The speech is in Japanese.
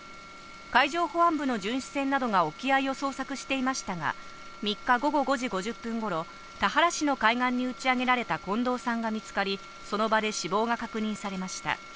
海上保安部の巡視船などが沖合を捜索していましたが、３日午後５時５０分ごろ、田原市の海岸に打ち上げられた、近藤さんが見つかり、その場で死亡が確認されました。